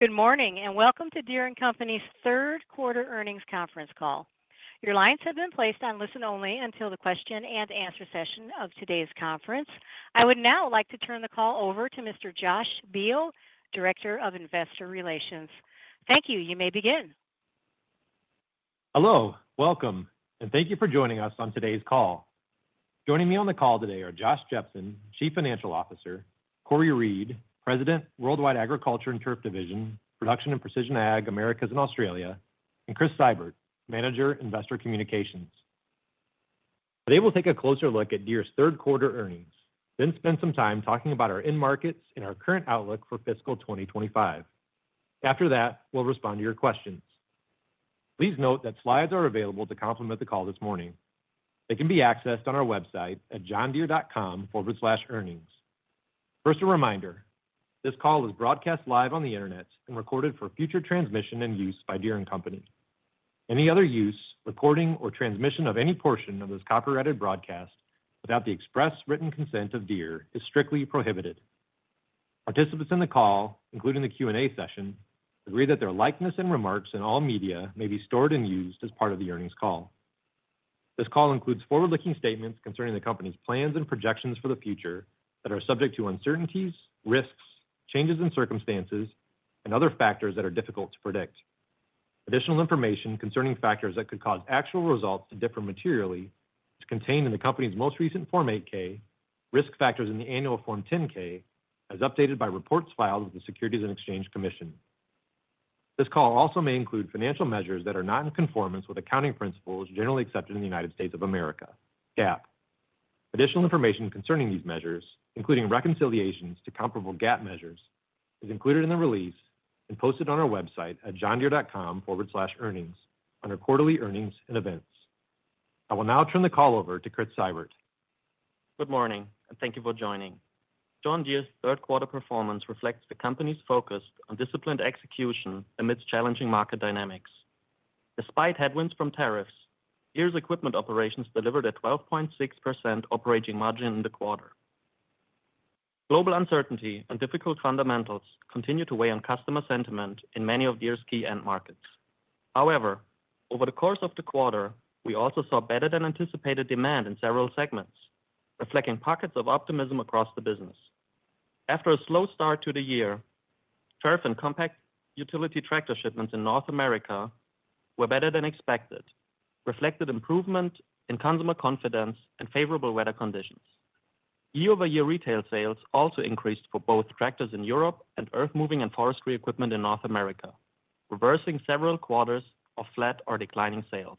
Good morning and welcome to Deere & Company's third quarter earnings conference call. Your lines have been placed on listen-only until the question and answer session of today's conference. I would now like to turn the call over to Mr. Josh Beal, Director of Investor Relations. Thank you. You may begin. Hello, welcome, and thank you for joining us on today's call. Joining me on the call today are Josh Jepsen, Chief Financial Officer; Cory Reed, President, Worldwide Agriculture and Turf Division; Production and Precision Ag, Americas and Australia; and Chris Seibert, Manager, Investor Communications. Today, we'll take a closer look at Deere's third quarter earnings, then spend some time talking about our in-markets and our current outlook for fiscal 2025. After that, we'll respond to your questions. Please note that slides are available to complement the call this morning. They can be accessed on our website at johndeere.com/earnings. First, a reminder: this call is broadcast live on the internet and recorded for future transmission and use by Deere & Company. Any other use, recording, or transmission of any portion of this copyrighted broadcast without the express written consent of Deere is strictly prohibited. Participants in the call, including the Q&A session, agree that their likeness and remarks in all media may be stored and used as part of the earnings call. This call includes forward-looking statements concerning the company's plans and projections for the future that are subject to uncertainties, risks, changes in circumstances, and other factors that are difficult to predict. Additional information concerning factors that could cause actual results to differ materially is contained in the company's most recent Form 8-K, risk factors in the annual Form 10-K, as updated by reports filed with the Securities and Exchange Commission. This call also may include financial measures that are not in conformance with accounting principles generally accepted in the U.S., GAAP. Additional information concerning these measures, including reconciliations to comparable GAAP measures, is included in the release and posted on our website at johndeere.com/earnings under Quarterly Earnings and Events. I will now turn the call over to Chris Seibert. Good morning, and thank you for joining. John Deere's third quarter performance reflects the company's focus on disciplined execution amidst challenging market dynamics. Despite headwinds from tariffs, Deere's equipment operations delivered a 12.6% operating margin in the quarter. Global uncertainty and difficult fundamentals continue to weigh on customer sentiment in many of Deere's key end markets. However, over the course of the quarter, we also saw better-than-anticipated demand in several segments, reflecting pockets of optimism across the business. After a slow start to the year, turf and compact utility tractor shipments in North America were better than expected, reflecting improvement in consumer confidence and favorable weather conditions. Year-over-year retail sales also increased for both tractors in Europe and earth moving and forestry equipment in North America, reversing several quarters of flat or declining sales.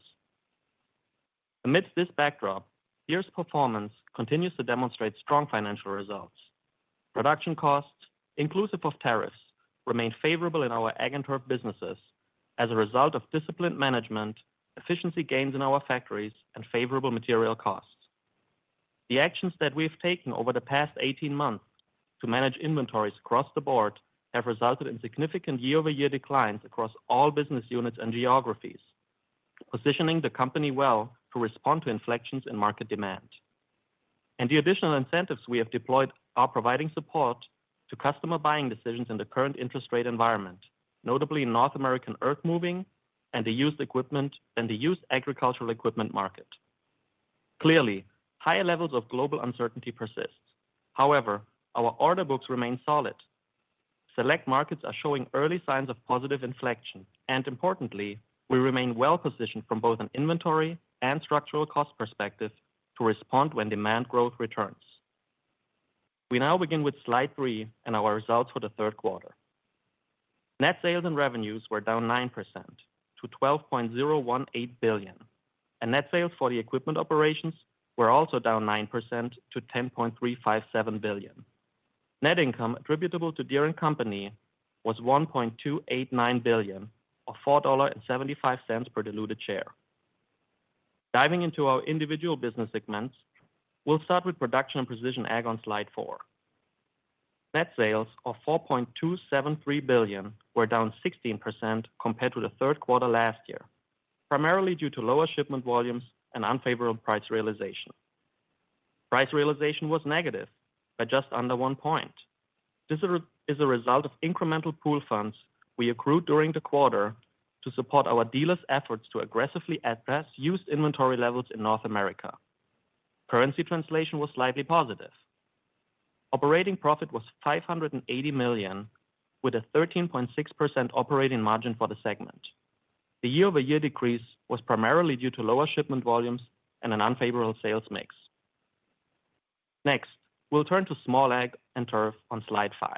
Amidst this backdrop, Deere's performance continues to demonstrate strong financial results. Production costs, inclusive of tariffs, remain favorable in our ag and turf businesses as a result of disciplined management, efficiency gains in our factories, and favorable material costs. The actions that we've taken over the past 18 months to manage inventories across the board have resulted in significant year-over-year declines across all business units and geographies, positioning the company well to respond to inflections in market demand. The additional incentives we have deployed are providing support to customer buying decisions in the current interest rate environment, notably in North American earth moving and the used equipment and the used agricultural equipment market. Clearly, higher levels of global uncertainty persist; however, our order books remain solid. Select markets are showing early signs of positive inflection, and importantly, we remain well-positioned from both an inventory and structural cost perspective to respond when demand growth returns. We now begin with Slide 3 and our results for the third quarter. Net sales and revenues were down 9% to $12.018 billion, and net sales for the equipment operations were also down 9% to $10.357 billion. Net income attributable to Deere & Company was $1.289 billion or $4.75 per diluted share. Diving into our individual business segments, we'll start with Production and Precision Ag on Slide 4. Net sales of $4.273 billion were down 16% compared to the third quarter last year, primarily due to lower shipment volumes and unfavorable price realization. Price realization was negative by just under one point. This is a result of incremental pool funds we accrued during the quarter to support our dealers' efforts to aggressively address used inventory levels in North America. Currency translation was slightly positive. Operating profit was $580 million, with a 13.6% operating margin for the segment. The year-over-year decrease was primarily due to lower shipment volumes and an unfavorable sales mix. Next, we'll turn to small ag and turf on slide 5.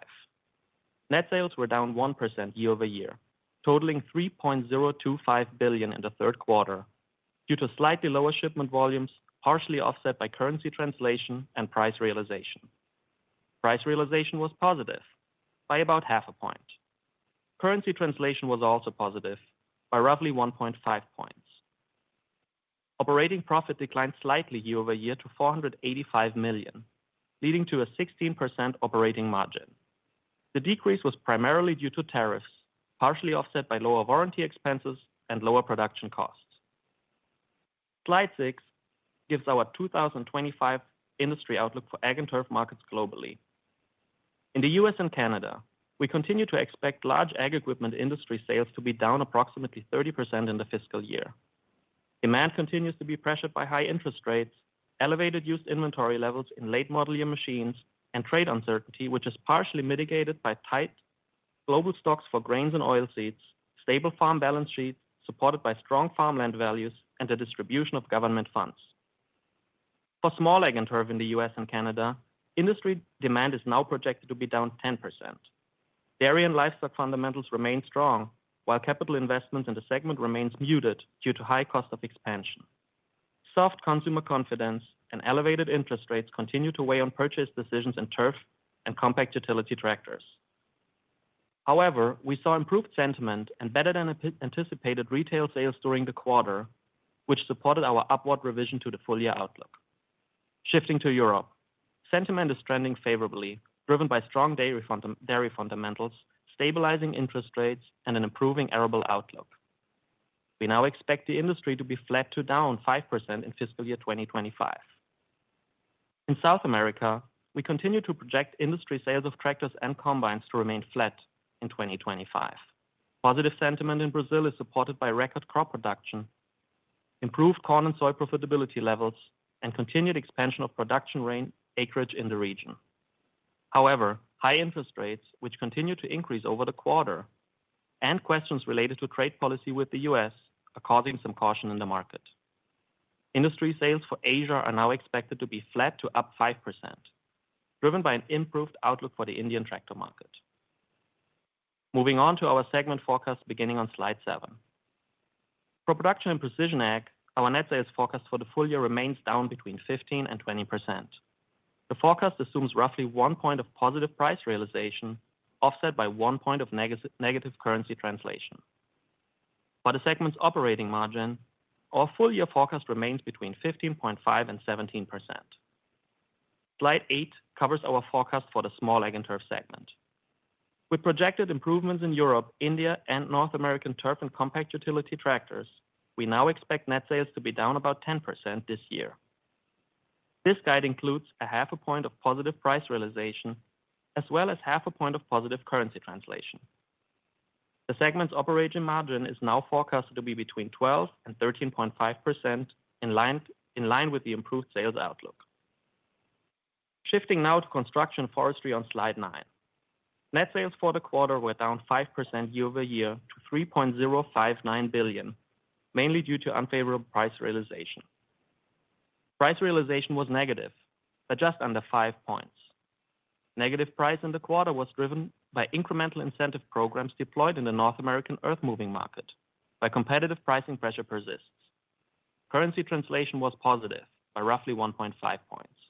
Net sales were down 1% year-over-year, totaling $3.025 billion in the third quarter due to slightly lower shipment volumes, partially offset by currency translation and price realization. Price realization was positive by about half a point. Currency translation was also positive by roughly 1.5 points. Operating profit declined slightly year-over-year to $485 million, leading to a 16% operating margin. The decrease was primarily due to tariffs, partially offset by lower warranty expenses and lower production costs. Slide 6 gives our 2025 industry outlook for ag and turf markets globally. In the U.S. and Canada, we continue to expect large ag equipment industry sales to be down approximately 30% in the fiscal year. Demand continues to be pressured by high interest rates, elevated used inventory levels in late model year machines, and trade uncertainty, which is partially mitigated by tight global stocks for grains and oil seeds, stable farm balance sheets supported by strong farmland values, and the distribution of government funds. For small ag and turf in the U.S. and Canada, industry demand is now projected to be down 10%. Dairy and livestock fundamentals remain strong, while capital investments in the segment remain muted due to high cost of expansion. Soft consumer confidence and elevated interest rates continue to weigh on purchase decisions in turf and compact utility tractors. However, we saw improved sentiment and better-than-anticipated retail sales during the quarter, which supported our upward revision to the full-year outlook. Shifting to Europe, sentiment is trending favorably, driven by strong dairy fundamentals, stabilizing interest rates, and an improving arable outlook. We now expect the industry to be flat to down 5% in fiscal year 2025. In South America, we continue to project industry sales of tractors and combines to remain flat in 2025. Positive sentiment in Brazil is supported by record crop production, improved corn and soy profitability levels, and continued expansion of production rain acreage in the region. However, high interest rates, which continue to increase over the quarter, and questions related to trade policy with the U.S. are causing some caution in the market. Industry sales for Asia are now expected to be flat to up 5%, driven by an improved outlook for the Indian tractor market. Moving on to our segment forecasts beginning on Slide 7. For Production and Precision Ag, our net sales forecast for the full year remains down between 15% and 20%. The forecast assumes roughly one point of positive price realization, offset by one point of negative currency translation. For the segment's operating margin, our full-year forecast remains between 15.5% and 17%. Slide 8 covers our forecast for the Small Ag and Turf segment. With projected improvements in Europe, India, and North American turf and compact utility tractors, we now expect net sales to be down about 10% this year. This guide includes a half a point of positive price realization, as well as half a point of positive currency translation. The segment's operating margin is now forecasted to be between 12% and 13.5%, in line with the improved sales outlook. Shifting now to Construction and Forestry on Slide 9. Net sales for the quarter were down 5% year-over-year to $3.059 billion, mainly due to unfavorable price realization. Price realization was negative by just under five points. Negative price in the quarter was driven by incremental incentive programs deployed in the North American earth moving market, where competitive pricing pressure persists. Currency translation was positive by roughly 1.5 points.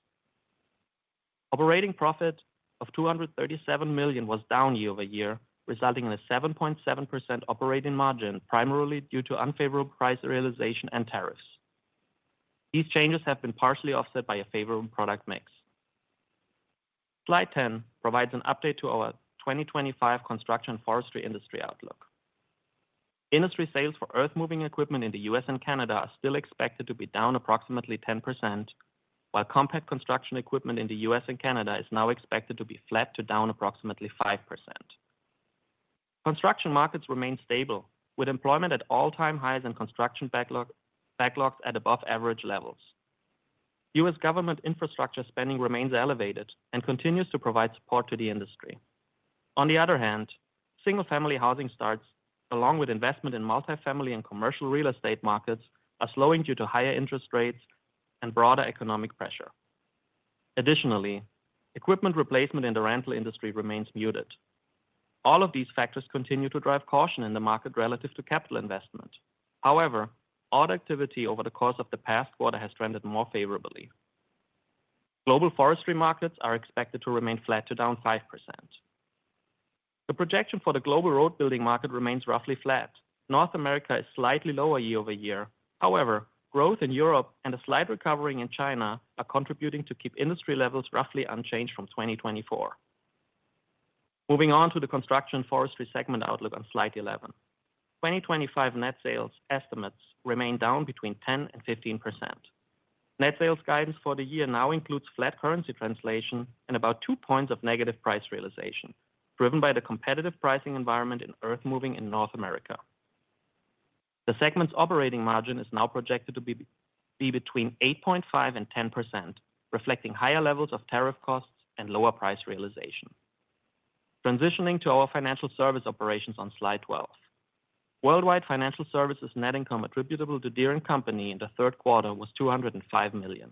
Operating profit of $237 million was down year-over-year, resulting in a 7.7% operating margin, primarily due to unfavorable price realization and tariffs. These changes have been partially offset by a favorable product mix. Slide 10 provides an update to our 2025 Construction and Forestry industry outlook. Industry sales for earth moving equipment in the U.S. and Canada are still expected to be down approximately 10%, while compact construction equipment in the U.S. and Canada is now expected to be flat to down approximately 5%. Construction markets remain stable, with employment at all-time highs and construction backlogged at above-average levels. U.S. government infrastructure spending remains elevated and continues to provide support to the industry. On the other hand, single-family housing starts, along with investment in multifamily and commercial real estate markets, are slowing due to higher interest rates and broader economic pressure. Additionally, equipment replacement in the rental industry remains muted. All of these factors continue to drive caution in the market relative to capital investment. However, odd activity over the course of the past quarter has trended more favorably. Global forestry markets are expected to remain flat to down 5%. The projection for the global road building market remains roughly flat. North America is slightly lower year-over-year; however, growth in Europe and a slight recovery in China are contributing to keep industry levels roughly unchanged from 2024. Moving on to the Construction and Forestry segment outlook on slide 11. 2025 net sales estimates remain down between 10% and 15%. Net sales guidance for the year now includes flat currency translation and about two points of negative price realization, driven by the competitive pricing environment in earth moving in North America. The segment's operating margin is now projected to be between 8.5% and 10%, reflecting higher levels of tariff costs and lower price realization. Transitioning to our Financial Service operations on slide 12. Worldwide Financial Services net income attributable to Deere & Company in the third quarter was $205 million.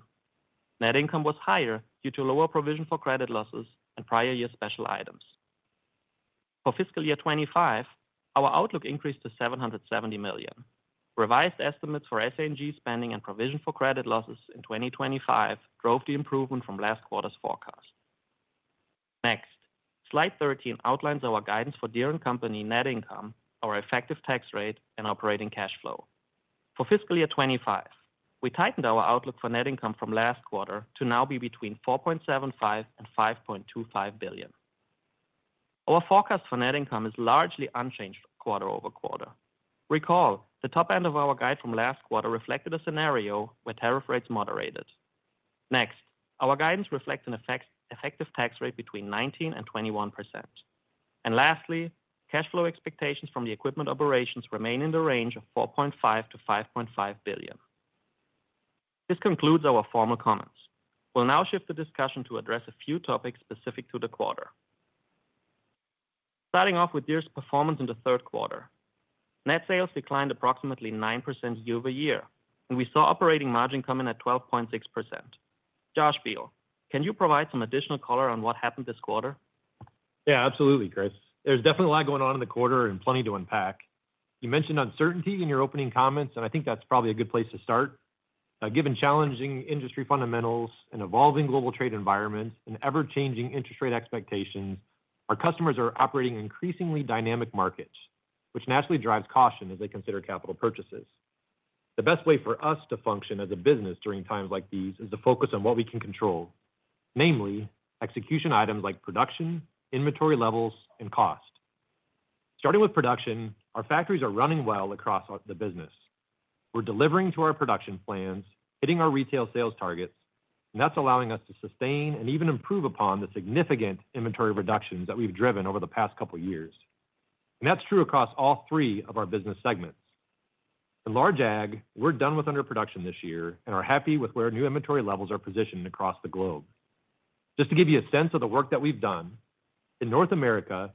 Net income was higher due to lower provision for credit losses and prior year special items. For fiscal year 2025, our outlook increased to $770 million. Revised estimates for S&G spending and provision for credit losses in 2025 drove the improvement from last quarter's forecast. Next, slide 13 outlines our guidance for Deere & Company net income, our effective tax rate, and operating cash flow. For fiscal year 2025, we tightened our outlook for net income from last quarter to now be between $4.75 billion and $5.25 billion. Our forecast for net income is largely unchanged quarter over quarter. Recall, the top end of our guide from last quarter reflected a scenario where tariff rates moderated. Next, our guidance reflects an effective tax rate between 19% and 21%. Lastly, cash flow expectations from the equipment operations remain in the range of $4.5 billion-$5.5 billion. This concludes our formal comments. We'll now shift the discussion to address a few topics specific to the quarter. Starting off with Deere & Company's performance in the third quarter, net sales declined approximately 9% year-over-year, and we saw operating margin come in at 12.6%. Josh Beal, can you provide some additional color on what happened this quarter? Yeah, absolutely, Chris. There's definitely a lot going on in the quarter and plenty to unpack. You mentioned uncertainty in your opening comments, and I think that's probably a good place to start. Given challenging industry fundamentals and evolving global trade environments and ever-changing interest rate expectations, our customers are operating in increasingly dynamic markets, which naturally drives caution as they consider capital purchases. The best way for us to function as a business during times like these is to focus on what we can control, namely execution items like production, inventory levels, and cost. Starting with production, our factories are running well across the business. We're delivering to our production plans, hitting our retail sales targets, and that's allowing us to sustain and even improve upon the significant inventory reductions that we've driven over the past couple of years. That is true across all three of our business segments. In large ag, we're done with underproduction this year and are happy with where new inventory levels are positioned across the globe. Just to give you a sense of the work that we've done, in North America,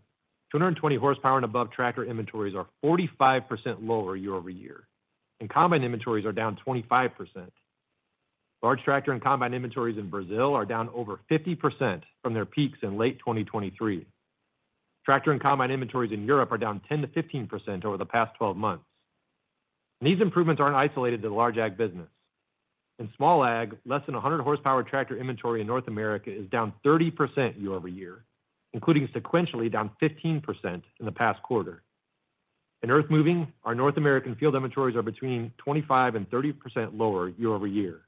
220 horsepower and above tractor inventories are 45% lower year-over-year, and combine inventories are down 25%. Large tractor and combine inventories in Brazil are down over 50% from their peaks in late 2023. Tractor and combine inventories in Europe are down 10%-5% over the past 12 months. These improvements aren't isolated to the large ag business. In small ag, less than 100 horsepower tractor inventory in North America is down 30% year-over-year, including sequentially down 15% in the past quarter. In earth moving, our North American field inventories are between 25% and 30% lower year-over-year.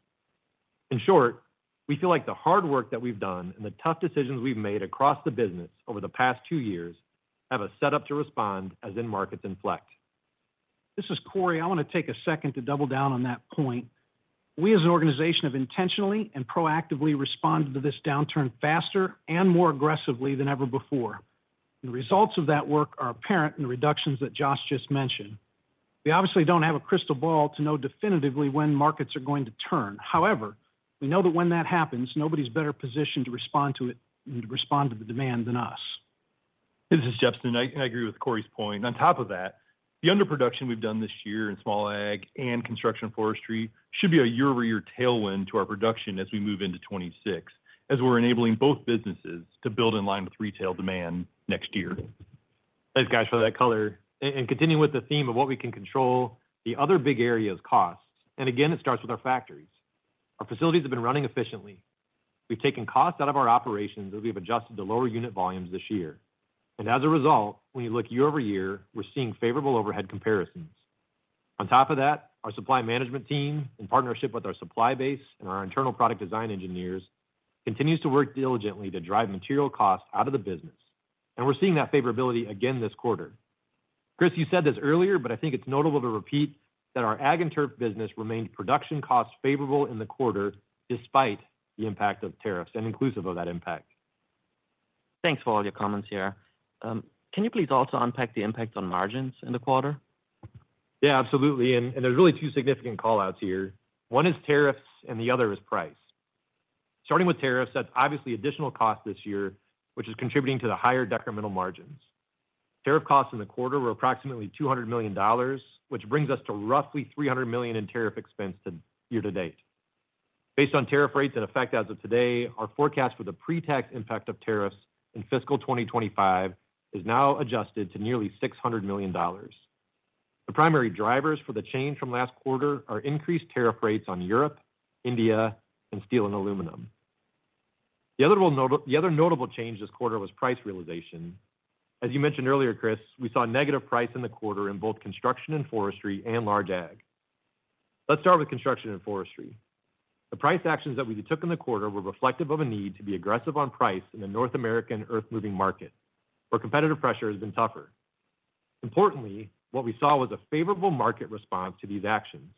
In short, we feel like the hard work that we've done and the tough decisions we've made across the business over the past two years have us set up to respond as end markets inflect. This is Cory. I want to take a second to double down on that point. We as an organization have intentionally and proactively responded to this downturn faster and more aggressively than ever before. The results of that work are apparent in the reductions that Josh just mentioned. We obviously don't have a crystal ball to know definitively when markets are going to turn. However, we know that when that happens, nobody's better positioned to respond to it and to respond to the demand than us. This is Jefferson, and I agree with Cory's point. On top of that, the underproduction we've done this year in Small Ag and Construction & Forestry should be a year-over-year tailwind to our production as we move into 2026, as we're enabling both businesses to build in line with retail demand next year. Thanks, guys, for that color. Continuing with the theme of what we can control, the other big area is costs. It starts with our factories. Our facilities have been running efficiently. We've taken costs out of our operations as we've adjusted to lower unit volumes this year. As a result, when you look year-over-year, we're seeing favorable overhead comparisons. On top of that, our supply management team, in partnership with our supply base and our internal product design engineers, continues to work diligently to drive material costs out of the business. We're seeing that favorability again this quarter. Chris, you said this earlier, but I think it's notable to repeat that our ag and turf business remained production costs favorable in the quarter despite the impact of tariffs and inclusive of that impact. Thanks for all your comments here. Can you please also unpack the impact on margins in the quarter? Yeah, absolutely. There are really two significant callouts here. One is tariffs and the other is price. Starting with tariffs, that's obviously additional costs this year, which is contributing to the higher decremental margins. Tariff costs in the quarter were approximately $200 million, which brings us to roughly $300 million in tariff expense year to date. Based on tariff rates in effect as of today, our forecast for the pre-tax impact of tariffs in fiscal 2025 is now adjusted to nearly $600 million. The primary drivers for the change from last quarter are increased tariff rates on Europe, India, and steel and aluminum. The other notable change this quarter was price realization. As you mentioned earlier, Chris, we saw a negative price in the quarter in both construction and forestry and large ag. Let's start with construction and forestry. The price actions that we took in the quarter were reflective of a need to be aggressive on price in the North American earth moving market, where competitive pressure has been tougher. Importantly, what we saw was a favorable market response to these actions,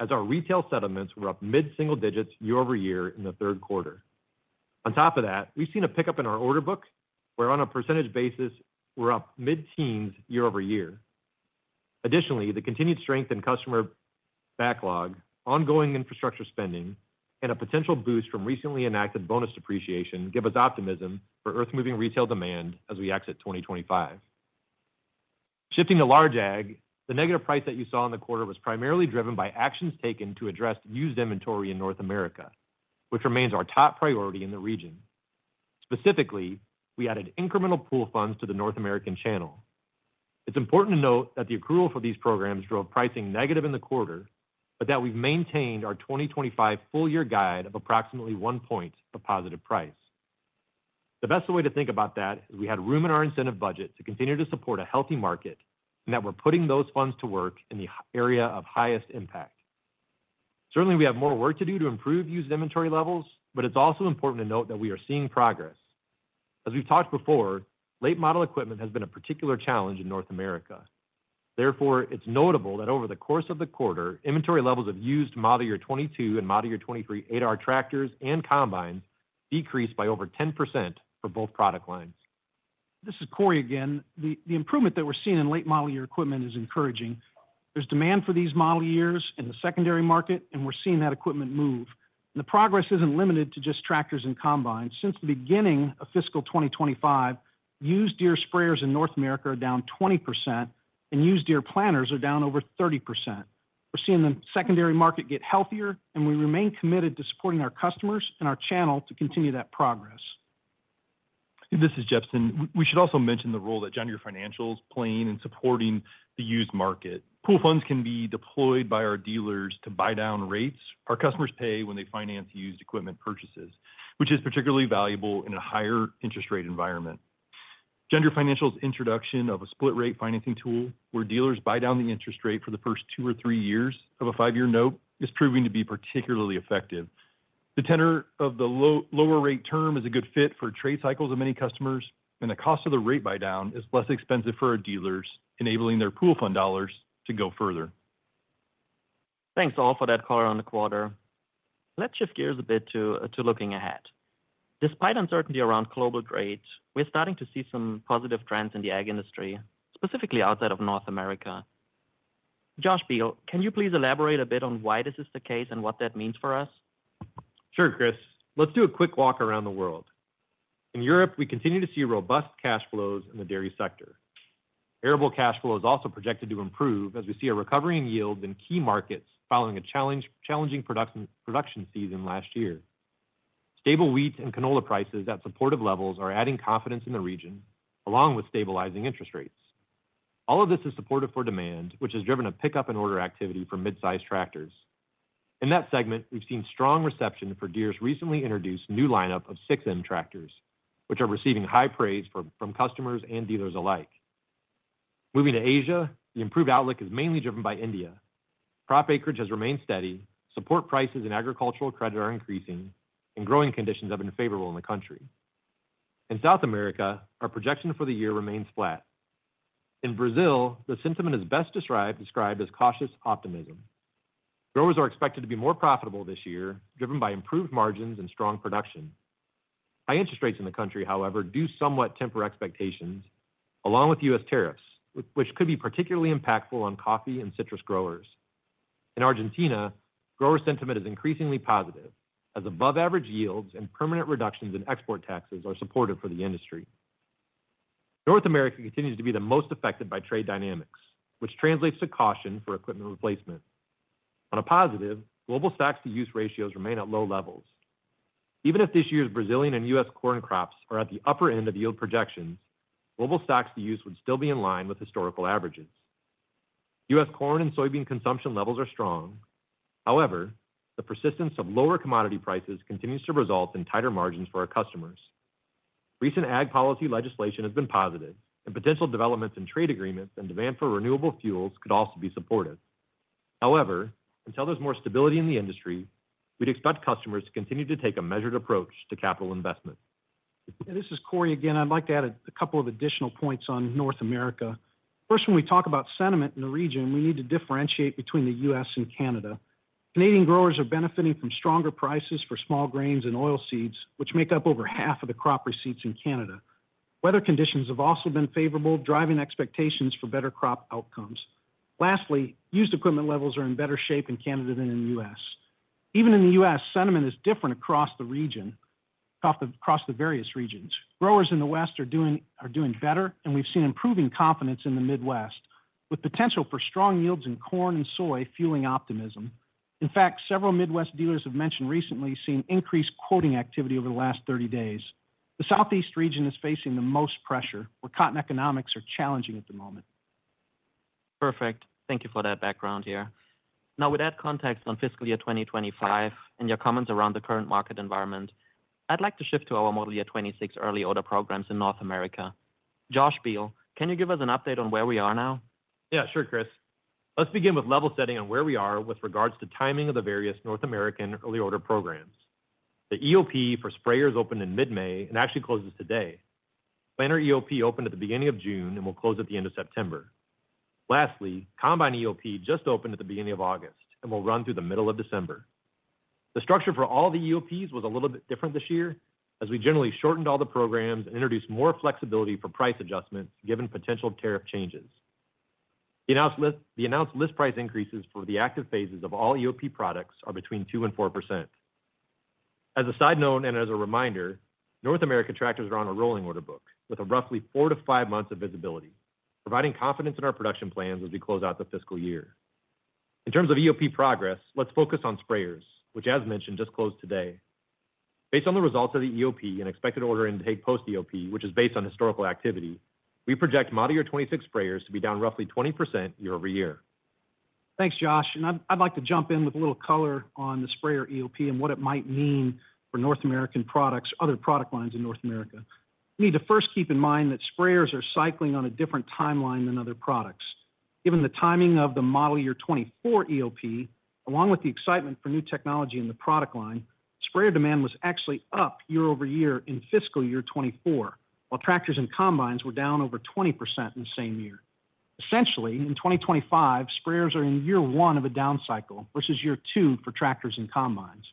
as our retail settlements were up mid-single digits year-over-year in the third quarter. On top of that, we've seen a pickup in our order book, where on a percentage basis, we're up mid-teens year-over-year. Additionally, the continued strength in customer backlog, ongoing infrastructure spending, and a potential boost from recently enacted bonus depreciation give us optimism for earth moving retail demand as we exit 2025. Shifting to large ag, the negative price that you saw in the quarter was primarily driven by actions taken to address used inventory in North America, which remains our top priority in the region. Specifically, we added incremental pool funds to the North American channel. It's important to note that the accrual for these programs drove pricing negative in the quarter, but that we've maintained our 2025 full-year guide of approximately one point of positive price. The best way to think about that is we had room in our incentive budget to continue to support a healthy market and that we're putting those funds to work in the area of highest impact. Certainly, we have more work to do to improve used inventory levels, but it's also important to note that we are seeing progress. As we've talked before, late model equipment has been a particular challenge in North America. Therefore, it's notable that over the course of the quarter, inventory levels of used model year 2022 and model year 2023 ADAR tractors and combines decreased by over 10% for both product lines. This is Cory again. The improvement that we're seeing in late model year equipment is encouraging. There's demand for these model years in the secondary market, and we're seeing that equipment move. The progress isn't limited to just tractors and combines. Since the beginning of fiscal 2025, used Deere sprayers in North America are down 20%, and used Deere planters are down over 30%. We're seeing the secondary market get healthier, and we remain committed to supporting our customers and our channel to continue that progress. This is Jefferson. We should also mention the role that John Deere Financial is playing in supporting the used market. Pool funds can be deployed by our dealers to buy down rates our customers pay when they finance used equipment purchases, which is particularly valuable in a higher interest rate environment. John Deere Financial's introduction of a split-rate financing tool where dealers buy down the interest rate for the first two or three years of a five-year note is proving to be particularly effective. The tenor of the lower rate term is a good fit for trade cycles of many customers, and the cost of the rate buy down is less expensive for our dealers, enabling their pool fund dollars to go further. Thanks all for that color on the quarter. Let's shift gears a bit to looking ahead. Despite uncertainty around global trade, we're starting to see some positive trends in the ag industry, specifically outside of North America. Josh Beal, can you please elaborate a bit on why this is the case and what that means for us? Sure, Chris. Let's do a quick walk around the world. In Europe, we continue to see robust cash flows in the dairy sector. Arable cash flow is also projected to improve as we see a recovery in yields in key markets following a challenging production season last year. Stable wheat and canola prices at supportive levels are adding confidence in the region, along with stabilizing interest rates. All of this is supportive for demand, which has driven a pickup in order activity for mid-size tractors. In that segment, we've seen strong reception for Deere's recently introduced new lineup of 6M tractors, which are receiving high praise from customers and dealers alike. Moving to Asia, the improved outlook is mainly driven by India. Crop acreage has remained steady, support prices in agricultural credit are increasing, and growing conditions have been favorable in the country. In South America, our projection for the year remains flat. In Brazil, the sentiment is best described as cautious optimism. Growers are expected to be more profitable this year, driven by improved margins and strong production. High interest rates in the country, however, do somewhat temper expectations, along with U.S. tariffs, which could be particularly impactful on coffee and citrus growers. In Argentina, grower sentiment is increasingly positive, as above-average yields and permanent reductions in export taxes are supportive for the industry. North America continues to be the most affected by trade dynamics, which translates to caution for equipment replacement. On a positive, global stocks to use ratios remain at low levels. Even if this year's Brazilian and U.S. corn crops are at the upper end of yield projections, global stocks to use would still be in line with historical averages. U.S. corn and soybean consumption levels are strong. However, the persistence of lower commodity prices continues to result in tighter margins for our customers. Recent ag policy legislation has been positive, and potential developments in trade agreements and demand for renewable fuels could also be supportive. However, until there's more stability in the industry, we'd expect customers to continue to take a measured approach to capital investment. This is Cory again. I'd like to add a couple of additional points on North America. First, when we talk about sentiment in the region, we need to differentiate between the U.S. and Canada. Canadian growers are benefiting from stronger prices for small grains and oil seeds, which make up over half of the crop receipts in Canada. Weather conditions have also been favorable, driving expectations for better crop outcomes. Lastly, used equipment levels are in better shape in Canada than in the U.S. Even in the U.S., sentiment is different across the region, across the various regions. Growers in the West are doing better, and we've seen improving confidence in the Midwest, with potential for strong yields in corn and soy fueling optimism. In fact, several Midwest dealers have mentioned recently seeing increased quoting activity over the last 30 days. The Southeast region is facing the most pressure, where cotton economics are challenging at the moment. Perfect. Thank you for that background here. Now, with that context on fiscal year 2025 and your comments around the current market environment, I'd like to shift to our model year 2026 early order programs in North America. Josh Beal, can you give us an update on where we are now? Yeah, sure, Chris. Let's begin with level setting on where we are with regards to timing of the various North American early order programs. The early order program for sprayers opened in mid-May and actually closes today. Planter early order program opened at the beginning of June and will close at the end of September. Lastly, combine early order program just opened at the beginning of August and will run through the middle of December. The structure for all the early order programs was a little bit different this year, as we generally shortened all the programs and introduced more flexibility for price adjustment, given potential tariff changes. The announced list price increases for the active phases of all early order program products are between 2% and 4%. As a side note and as a reminder, North American tractors are on a rolling order book with roughly four to five months of visibility, providing confidence in our production plans as we close out the fiscal year. In terms of early order program progress, let's focus on sprayers, which, as mentioned, just closed today. Based on the results of the early order program and expected order intake post-early order program, which is based on historical activity, we project model year 2026 sprayers to be down roughly 20% year-over-year. Thanks, Josh. I'd like to jump in with a little color on the sprayer early order program and what it might mean for North American products or other product lines in North America. We need to first keep in mind that sprayers are cycling on a different timeline than other products. Given the timing of the model year 2024 early order program, along with the excitement for new technology in the product line, sprayer demand was actually up year-over-year in fiscal year 2024, while tractors and combines were down over 20% in the same year. Essentially, in 2025, sprayers are in year one of a down cycle versus year two for tractors and combines.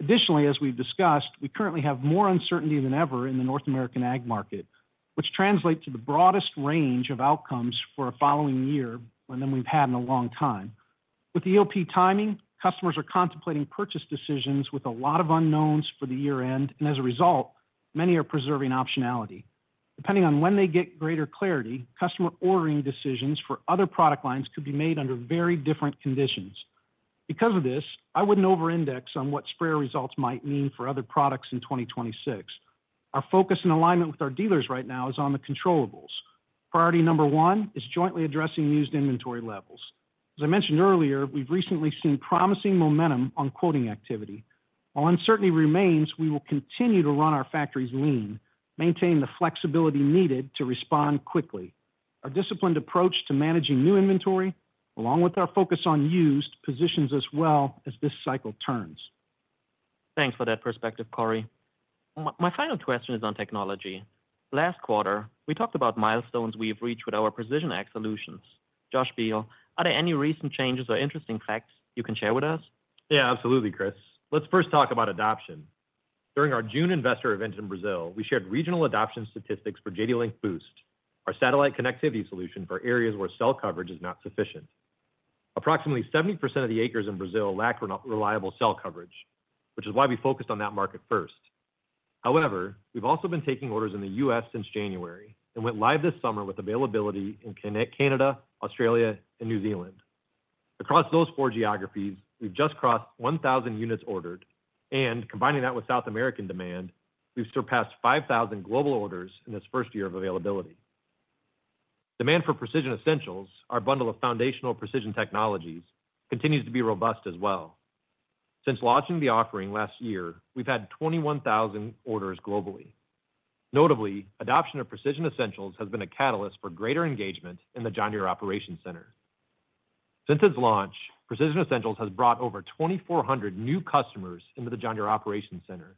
Additionally, as we've discussed, we currently have more uncertainty than ever in the North American ag market, which translates to the broadest range of outcomes for a following year than we've had in a long time. With the early order program timing, customers are contemplating purchase decisions with a lot of unknowns for the year-end, and as a result, many are preserving optionality. Depending on when they get greater clarity, customer ordering decisions for other product lines could be made under very different conditions. Because of this, I wouldn't over-index on what sprayer results might mean for other products in 2026. Our focus in alignment with our dealers right now is on the controllables. Priority number one is jointly addressing used inventory levels. As I mentioned earlier, we've recently seen promising momentum on quoting activity. While uncertainty remains, we will continue to run our factories lean, maintaining the flexibility needed to respond quickly. Our disciplined approach to managing new inventory, along with our focus on used, positions us well as this cycle turns. Thanks for that perspective, Cory. My final question is on technology. Last quarter, we talked about milestones we've reached with our Precision Ag Solutions. Josh Beal, are there any recent changes or interesting facts you can share with us? Yeah, absolutely, Chris. Let's first talk about adoption. During our June investor event in Brazil, we shared regional adoption statistics forJDLink Boost our satellite connectivity solution for areas where cell coverage is not sufficient. Approximately 70% of the acres in Brazil lack reliable cell coverage, which is why we focused on that market first. However, we've also been taking orders in the U.S. since January and went live this summer with availability in Canada, Australia, and New Zealand. Across those four geographies, we've just crossed 1,000 units ordered, and combining that with South American demand, we've surpassed 5,000 global orders in this first year of availability. Demand for Precision Essentials, our bundle of foundational precision technologies, continues to be robust as well. Since launching the offering last year, we've had 21,000 orders globally. Notably, adoption of Precision Essentials has been a catalyst for greater engagement in the John Deere Operations Center. Since its launch, Precision Essentials has brought over 2,400 new customers into the John Deere Operations Center.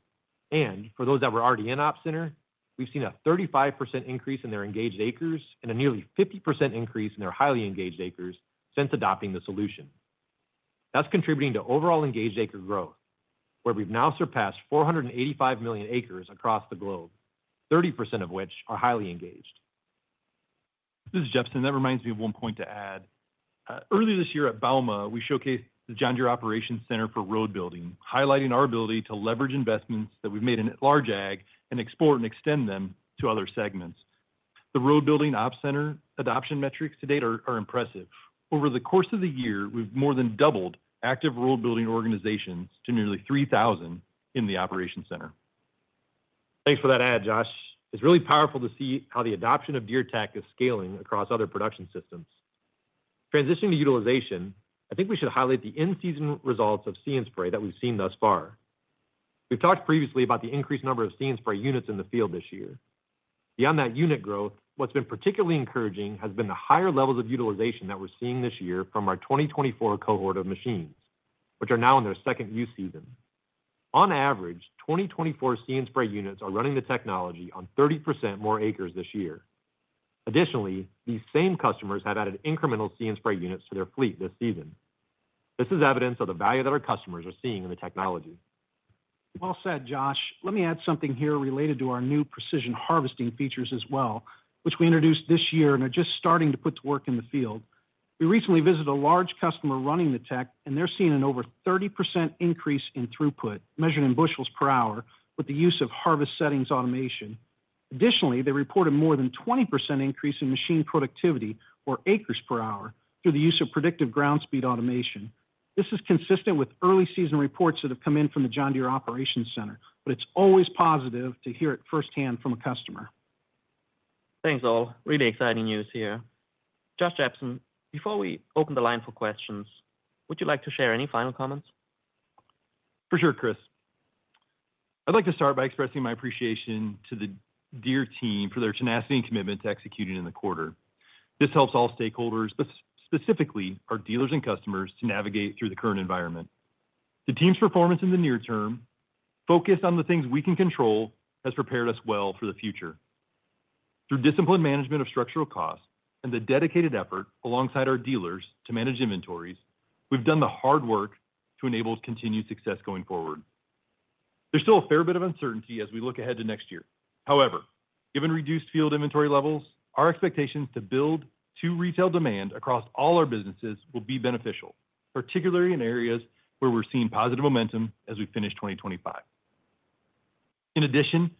For those that were already in Op Center, we've seen a 35% increase in their engaged acres and a nearly 50% increase in their highly engaged acres since adopting the solution. That's contributing to overall engaged acre growth, where we've now surpassed 485 million acres across the globe, 30% of which are highly engaged. This is Jefferson. That reminds me of one point to add. Earlier this year at Balma, we showcased the John Deere Operations Center for road building, highlighting our ability to leverage investments that we've made in large ag and export and extend them to other segments. The road building Operations Center adoption metrics to date are impressive. Over the course of the year, we've more than doubled active road building organizations to nearly 3,000 in the Operations Center. Thanks for that add, Josh. It's really powerful to see how the adoption of Deere tech is scaling across other production systems. Transitioning to utilization, I think we should highlight the in-season results of See & Spray that we've seen thus far. We've talked previously about the increased number of See & Spray units in the field this year. Beyond that unit growth, what's been particularly encouraging has been the higher levels of utilization that we're seeing this year from our 2024 cohort of machines, which are now in their second use season. On average, 2024 See & Spray units are running the technology on 30% more acres this year. Additionally, these same customers have added incremental See & Spray units to their fleet this season. This is evidence of the value that our customers are seeing in the technology. Josh, let me add something here related to our new precision harvesting features as well, which we introduced this year and are just starting to put to work in the field. We recently visited a large customer running the tech, and they're seeing an over 30% increase in throughput, measured in bushels per hour, with the use of harvest settings automation. Additionally, they reported more than a 20% increase in machine productivity, or acres per hour, through the use of predictive ground speed automation. This is consistent with early season reports that have come in from the John Deere Operations Center, but it's always positive to hear it firsthand from a customer. Thanks all. Really exciting news here. Josh Jepsen, before we open the line for questions, would you like to share any final comments? For sure, Chris. I'd like to start by expressing my appreciation to the Deere team for their tenacity and commitment to executing in the quarter. This helps all stakeholders, but specifically our dealers and customers, to navigate through the current environment. The team's performance in the near term, focused on the things we can control, has prepared us well for the future. Through disciplined management of structural costs and the dedicated effort alongside our dealers to manage inventories, we've done the hard work to enable continued success going forward. There's still a fair bit of uncertainty as we look ahead to next year. However, given reduced field inventory levels, our expectations to build to retail demand across all our businesses will be beneficial, particularly in areas where we're seeing positive momentum as we finish 2025. In addition,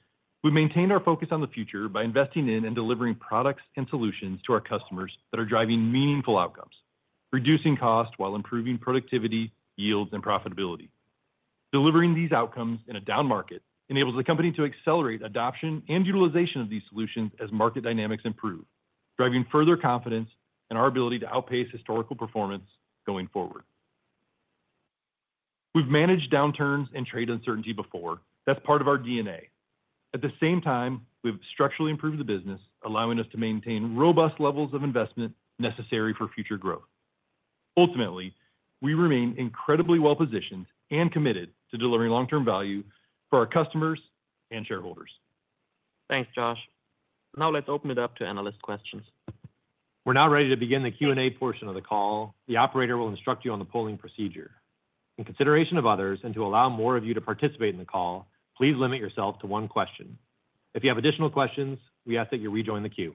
we maintained our focus on the future by investing in and delivering products and solutions to our customers that are driving meaningful outcomes, reducing costs while improving productivity, yields, and profitability. Delivering these outcomes in a down market enables the company to accelerate adoption and utilization of these solutions as market dynamics improve, driving further confidence in our ability to outpace historical performance going forward. We've managed downturns and trade uncertainty before; that's part of our DNA. At the same time, we've structurally improved the business, allowing us to maintain robust levels of investment necessary for future growth. Ultimately, we remain incredibly well-positioned and committed to delivering long-term value for our customers and shareholders. Thanks, Josh. Now let's open it up to analyst questions. We're now ready to begin the Q&A portion of the call. The operator will instruct you on the polling procedure. In consideration of others and to allow more of you to participate in the call, please limit yourself to one question. If you have additional questions, we ask that you rejoin the queue.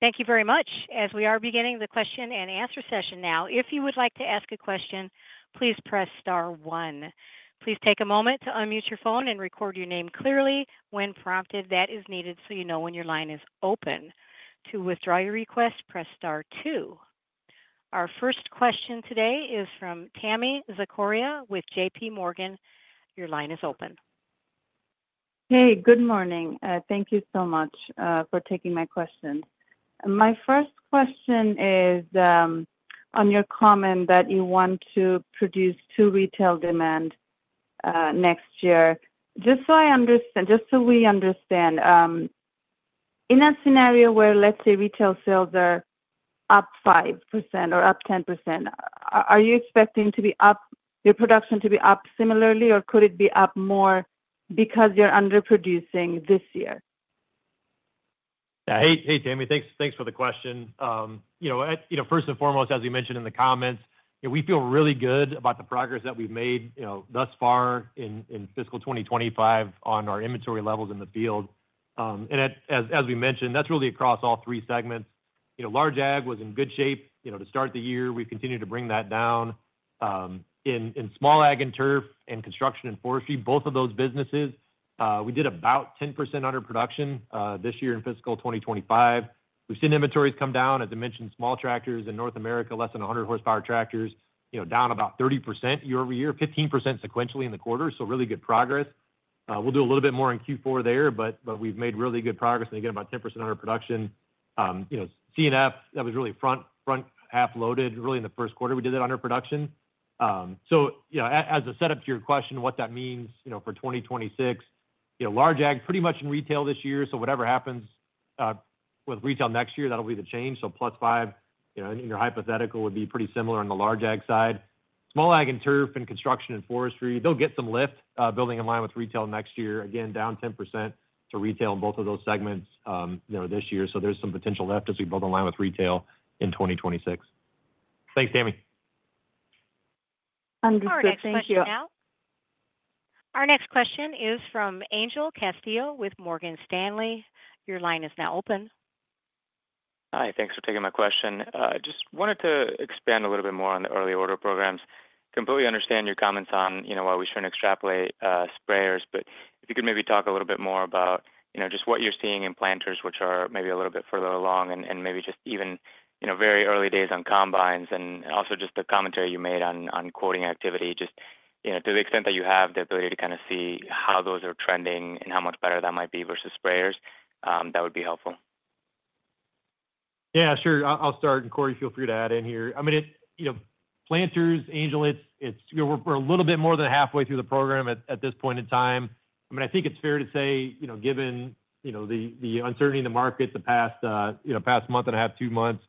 Thank you very much. As we are beginning the question and answer session now, if you would like to ask a question, please press star one. Please take a moment to unmute your phone and record your name clearly when prompted, that is needed so you know when your line is open. To withdraw your request, press star two. Our first question today is from Tami Zakaria with JPMorgan. Your line is open. Hey, good morning. Thank you so much for taking my question. My first question is on your comment that you want to produce to retail demand next year. Just so I understand, in a scenario where, let's say, retail sales are up 5% or up 10%, are you expecting your production to be up similarly, or could it be up more because you're underproducing this year? Yeah, hey, Tami, thanks for the question. First and foremost, as we mentioned in the comments, we feel really good about the progress that we've made thus far in fiscal 2025 on our inventory levels in the field. As we mentioned, that's really across all three segments. Large ag was in good shape to start the year. We've continued to bring that down. In small ag and turf and construction and forestry, both of those businesses, we did about 10% underproduction this year in fiscal 2025. We've seen inventories come down, as I mentioned, small tractors in North America, less than 100 horsepower tractors, down about 30% year-over-year, 15% sequentially in the quarter, so really good progress. We'll do a little bit more in Q4 there, but we've made really good progress, and again, about 10% underproduction. Construction and forestry, that was really front half loaded, really in the first quarter we did that underproduction. As a setup to your question, what that means for 2026, large ag pretty much in retail this year, so whatever happens with retail next year, that'll be the change, so plus five in your hypothetical would be pretty similar on the large ag side. Small ag and turf and construction and forestry, they'll get some lift building in line with retail next year, again, down 10% to retail in both of those segments this year, so there's some potential left as we build in line with retail in 2026. Thanks, Tami. Understood. Thank you. Our next question is from Angel Castillo with Morgan Stanley. Your line is now open. Hi, thanks for taking my question. I just wanted to expand a little bit more on the early order programs. Completely understand your comments on why we shouldn't extrapolate sprayers, but if you could maybe talk a little bit more about just what you're seeing in planters, which are maybe a little bit further along, and maybe just even very early days on combines, and also just the commentary you made on quoting activity, to the extent that you have the ability to kind of see how those are trending and how much better that might be versus sprayers, that would be helpful. Yeah, sure, I'll start, and Cory, feel free to add in here. I mean, planters, Angel, we're a little bit more than halfway through the program at this point in time. I think it's fair to say, given the uncertainty in the market the past month and a half, two months,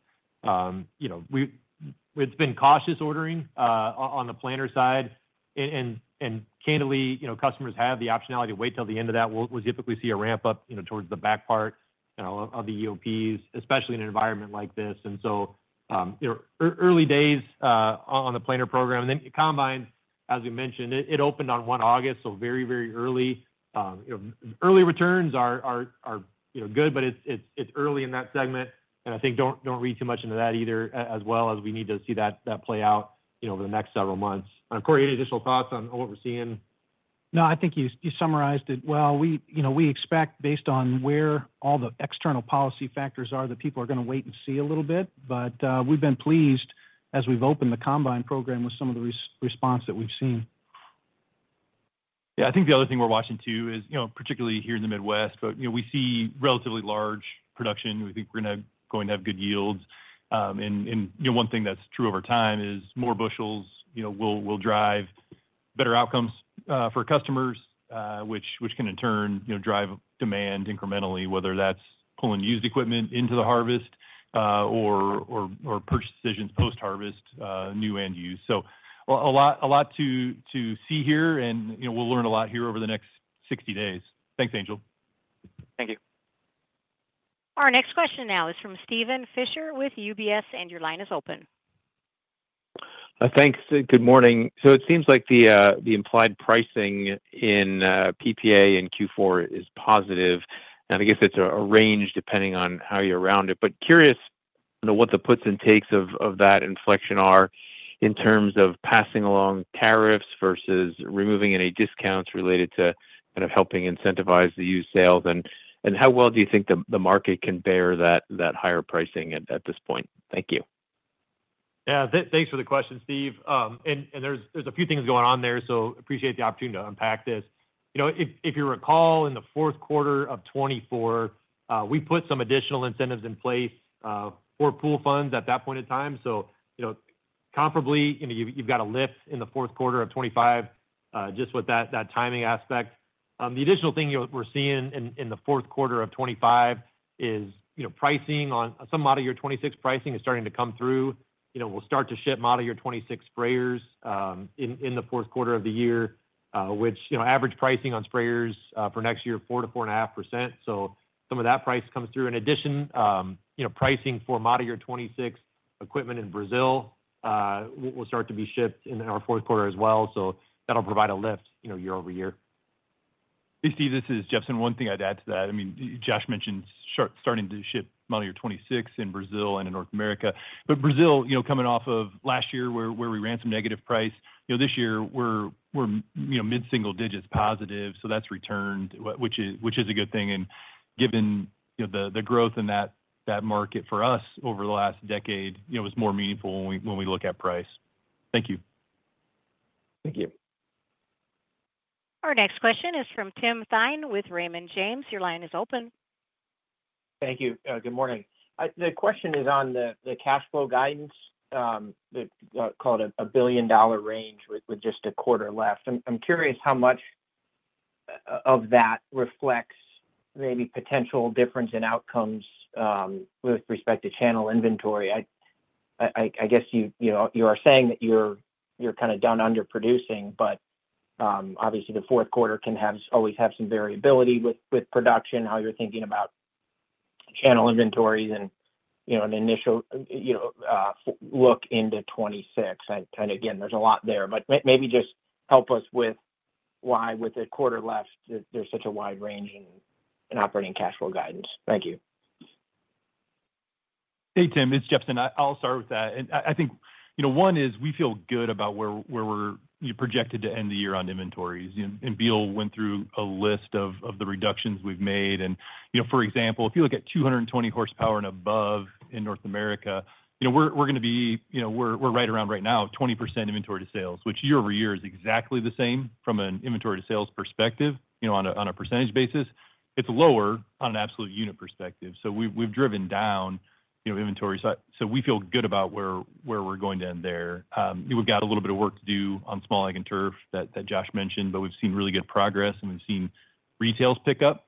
we've been cautious ordering on the planter side, and candidly, customers have the optionality to wait till the end of that. We'll typically see a ramp up towards the back part of the early order programs, especially in an environment like this. Early days on the planter program, and then combines, as we mentioned, it opened on August 1, so very, very early. Early returns are good, but it's early in that segment, and I think don't read too much into that either as well as we need to see that play out over the next several months. Cory, any additional thoughts on what we're seeing? No, I think you summarized it well. We expect, based on where all the external policy factors are, that people are going to wait and see a little bit, but we've been pleased as we've opened the combine program with some of the response that we've seen. Yeah, I think the other thing we're watching too is, particularly here in the Midwest, we see relatively large production. We think we're going to have good yields, and one thing that's true over time is more bushels will drive better outcomes for customers, which can in turn drive demand incrementally, whether that's pulling used equipment into the harvest or purchase decisions post-harvest, new and used. There's a lot to see here, and we'll learn a lot here over the next 60 days. Thanks, Angel. Thank you. Our next question now is from Steven Fisher with UBS, and your line is open. Thanks. Good morning. It seems like the implied pricing in PPA in Q4 is positive, and I guess it's a range depending on how you're around it, but curious to know what the puts and takes of that inflection are in terms of passing along tariffs versus removing any discounts related to kind of helping incentivize the used sales, and how well do you think the market can bear that higher pricing at this point? Thank you. Yeah, thanks for the question, Steve, and there's a few things going on there, so I appreciate the opportunity to unpack this. If you recall, in the fourth quarter of 2024, we put some additional incentives in place for pool funds at that point in time, so comparably, you've got a lift in the fourth quarter of 2025 just with that timing aspect. The additional thing we're seeing in the fourth quarter of 2025 is pricing on some model year 2026 pricing is starting to come through. We'll start to ship model year 2026 sprayers in the fourth quarter of the year, which average pricing on sprayers for next year, 4%-4.5%, so some of that price comes through. In addition, pricing for model year 2026 equipment in Brazil will start to be shipped in our fourth quarter as well, so that'll provide a lift year over year. Hey, Steve, this is Jepsen. One thing I'd add to that, I mean, Josh mentioned starting to ship model year 2026 in Brazil and in North America, but Brazil, coming off of last year where we ran some negative price, this year we're mid-single digits positive, so that's returned, which is a good thing, and given the growth in that market for us over the last decade, it was more meaningful when we look at price. Thank you. Thank you. Our next question is from Tim Thein with Raymond James. Your line is open. Thank you. Good morning. The question is on the cash flow guidance. They call it a billion-dollar range with just a quarter left. I'm curious how much of that reflects maybe potential difference in outcomes with respect to channel inventory. I guess you are saying that you're kind of done underproducing, but obviously the fourth quarter can always have some variability with production, how you're thinking about channel inventories and an initial look into 2026. There's a lot there, but maybe just help us with why with a quarter left there's such a wide range in operating cash flow guidance. Thank you. Hey, Tim. It's Jepsen. I'll start with that. I think one is we feel good about where we're projected to end the year on inventories. Beal went through a list of the reductions we've made. For example, if you look at 220 horsepower and above in North America, we're right around right now, 20% inventory to sales, which year-over-year is exactly the same from an inventory to sales perspective on a percentage basis. It's lower on an absolute unit perspective. We've driven down inventory, so we feel good about where we're going to end there. We've got a little bit of work to do on small ag and turf that Josh mentioned, but we've seen really good progress and we've seen retails pick up.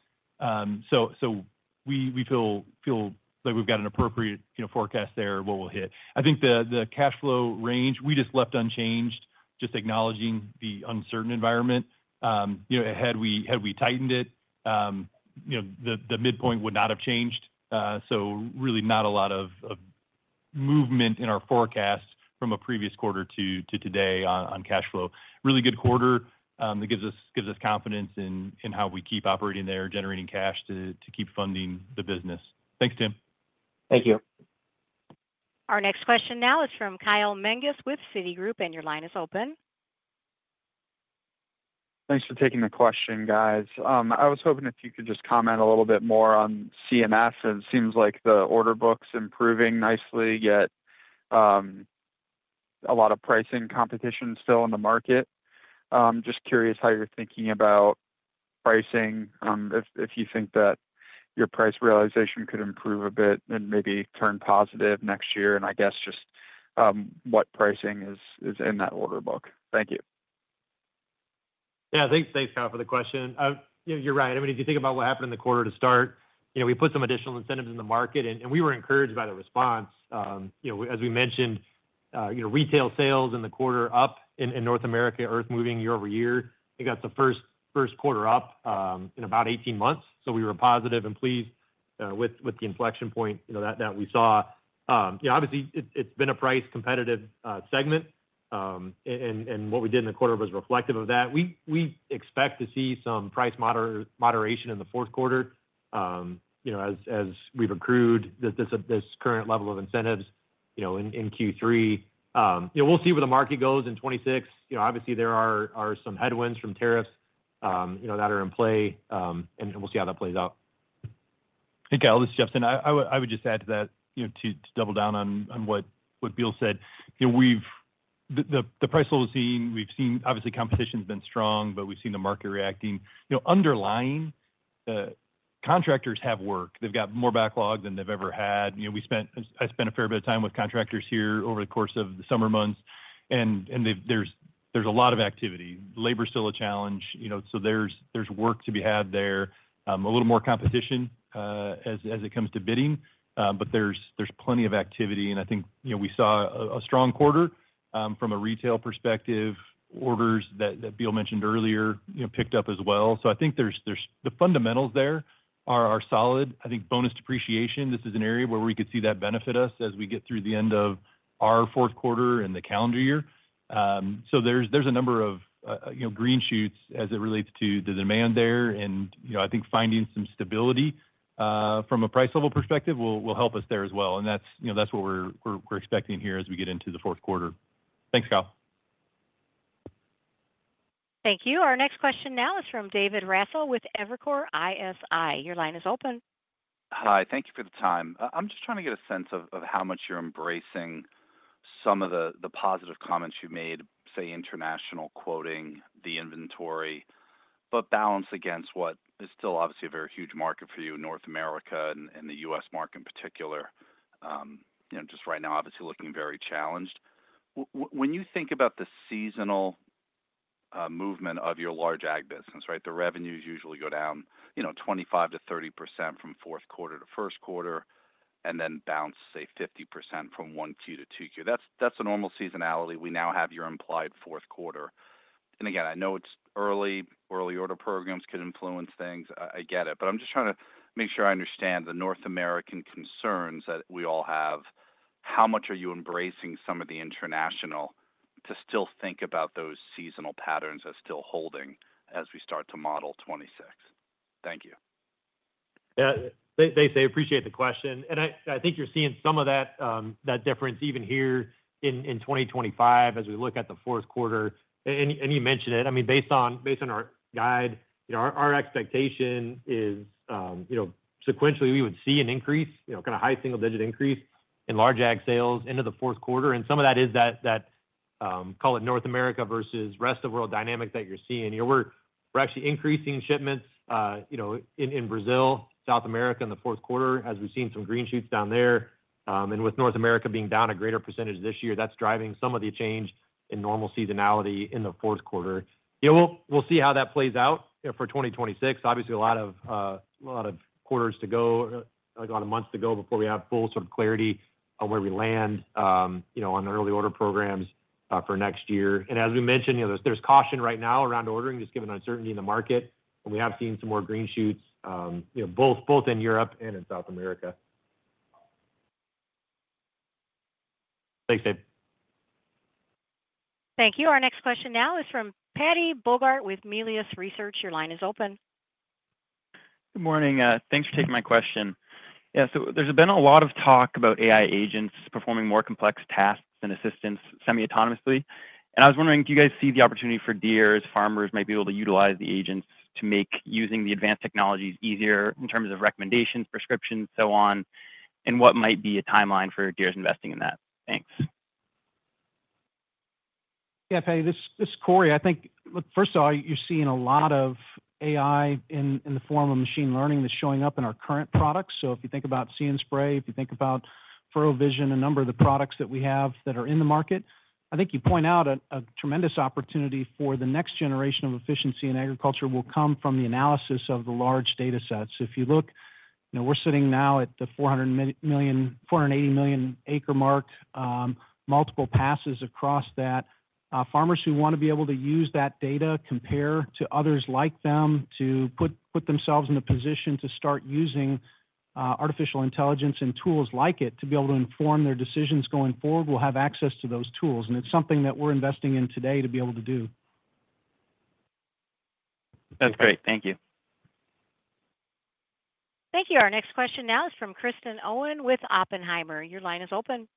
We feel like we've got an appropriate forecast there of what we'll hit. I think the cash flow range we just left unchanged, just acknowledging the uncertain environment. Had we tightened it, the midpoint would not have changed. Really not a lot of movement in our forecast from a previous quarter to today on cash flow. Really good quarter that gives us confidence in how we keep operating there, generating cash to keep funding the business. Thanks, Tim. Thank you. Our next question now is from Kyle Menges with Citigroup, and your line is open. Thanks for taking the question, guys. I was hoping if you could just comment a little bit more on CMS. It seems like the order book's improving nicely, yet a lot of pricing competition is still in the market. Just curious how you're thinking about pricing, if you think that your price realization could improve a bit and maybe turn positive next year, and I guess just what pricing is in that order book. Thank you. Yeah, thanks, Kyle, for the question. You're right. If you think about what happened in the quarter to start, we put some additional incentives in the market, and we were encouraged by the response. As we mentioned, retail sales in the quarter up in North America, earth moving year over year. I think that's the first quarter up in about 18 months. We were positive and pleased with the inflection point that we saw. Obviously, it's been a price-competitive segment, and what we did in the quarter was reflective of that. We expect to see some price moderation in the fourth quarter as we've accrued this current level of incentives in Q3. We'll see where the market goes in 2026. Obviously, there are some headwinds from tariffs that are in play, and we'll see how that plays out. Hey, Kyle, this is Jepsen. I would just add to that to double down on what Beal said. The price level we've seen, we've seen obviously competition has been strong, but we've seen the market reacting. Underlying contractors have work. They've got more backlog than they've ever had. I spent a fair bit of time with contractors here over the course of the summer months, and there's a lot of activity. Labor's still a challenge, so there's work to be had there. A little more competition as it comes to bidding, but there's plenty of activity, and I think we saw a strong quarter from a retail perspective. Orders that Beal mentioned earlier picked up as well. I think the fundamentals there are solid. I think bonus depreciation, this is an area where we could see that benefit us as we get through the end of our fourth quarter in the calendar year. There's a number of green shoots as it relates to the demand there, and I think finding some stability from a price level perspective will help us there as well, and that's what we're expecting here as we get into the fourth quarter. Thanks, Kyle. Thank you. Our next question now is from David Raso with Evercore ISI. Your line is open. Hi, thank you for the time. I'm just trying to get a sense of how much you're embracing some of the positive comments you've made, say, international quoting, the inventory, but balance against what is still obviously a very huge market for you in North America and the U.S. market in particular. Just right now, obviously looking very challenged. When you think about the seasonal movement of your large ag business, the revenues usually go down 25%-30% from fourth quarter to first quarter and then bounce, say, 50% from one Q to two Q. That's a normal seasonality. We now have your implied fourth quarter. I know it's early. Early order programs could influence things. I get it, but I'm just trying to make sure I understand the North American concerns that we all have. How much are you embracing some of the international to still think about those seasonal patterns as still holding as we start to model 2026? Thank you. Yeah, thanks. I appreciate the question, and I think you're seeing some of that difference even here in 2025 as we look at the fourth quarter, and you mentioned it. I mean, based on our guide, our expectation is sequentially we would see an increase, kind of high single-digit increase in large ag sales into the fourth quarter, and some of that is that, call it North America versus rest of the world dynamic that you're seeing. We're actually increasing shipments in Brazil, South America in the fourth quarter, as we've seen some green shoots down there. With North America being down a greater percentage this year, that's driving some of the change in normal seasonality in the fourth quarter. We'll see how that plays out for 2026. Obviously, a lot of quarters to go, a lot of months to go before we have full sort of clarity on where we land on early order programs for next year. As we mentioned, there's caution right now around ordering, just given the uncertainty in the market, and we have seen some more green shoots, both in Europe and in South America. Thanks, Dave. Thank you. Our next question now is from Paddy Bogart with Melius Research. Your line is open. Good morning. Thanks for taking my question. There's been a lot of talk about AI agents performing more complex tasks and assistance semi-autonomously, and I was wondering if you guys see the opportunity for Deere's farmers might be able to utilize the agents to make using the advanced technologies easier in terms of recommendations, prescriptions, and what might be a timeline for Deere's investing in that. Thanks. Yeah, Patty, this is Cory. I think, first of all, you're seeing a lot of AI in the form of machine learning that's showing up in our current products. If you think about See & Spray, if you think about Furrow Vision, a number of the products that we have that are in the market, I think you point out a tremendous opportunity for the next generation of efficiency in agriculture will come from the analysis of the large data sets. If you look, we're sitting now at the 480 million acre mark, multiple passes across that. Farmers who want to be able to use that data, compare to others like them, to put themselves in a position to start using artificial intelligence and tools like it to be able to inform their decisions going forward, will have access to those tools, and it's something that we're investing in today to be able to do. That's great. Thank you. Thank you. Our next question now is from Kristen Owen with Oppenheimer. Your line is open.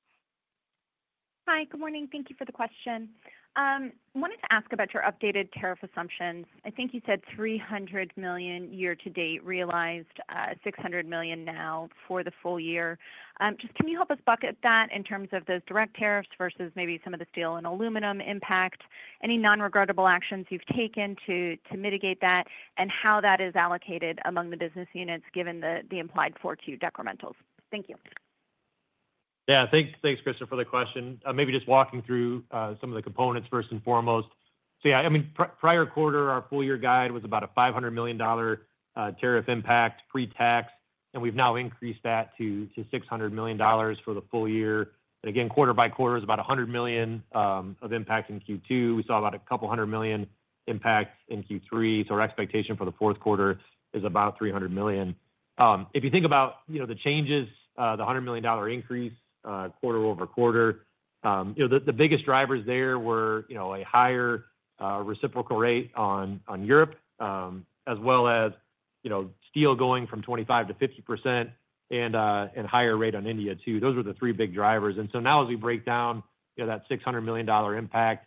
Hi, good morning. Thank you for the question. I wanted to ask about your updated tariff assumptions. I think you said $300 million year-to-date, realized $600 million now for the full year. Just can you help us bucket that in terms of those direct tariffs versus maybe some of the steel and aluminum impact, any non-regardable actions you've taken to mitigate that, and how that is allocated among the business units given the implied Q4 decrementals? Thank you. Yeah, thanks, Kristen, for the question. Maybe just walking through some of the components first and foremost. Prior quarter, our full year guide was about a $500 million tariff impact pre-tax, and we've now increased that to $600 million for the full year. Again, quarter by quarter is about $100 million of impact in Q2. We saw about a couple hundred million impacts in Q3, so our expectation for the fourth quarter is about $300 million. If you think about the changes, the $100 million increase quarter over quarter, the biggest drivers there were a higher reciprocal rate on Europe, as well as steel going from 25%-50% and a higher rate on India too. Those were the three big drivers. Now as we break down that $600 million impact,